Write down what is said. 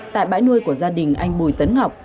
tại bãi nuôi của gia đình anh bùi tấn ngọc